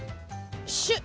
シュッ！